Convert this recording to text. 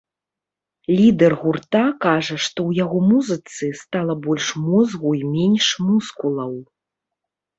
Лідэр гурта кажа, што ў яго музыцы стала больш мозгу і менш мускулаў.